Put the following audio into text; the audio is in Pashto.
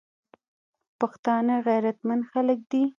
پښتانه غیرتمن خلک دي.